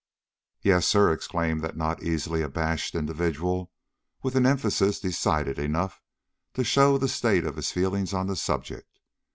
"Yes, sir," exclaimed that not easily abashed individual, with an emphasis decided enough to show the state of his feelings on the subject.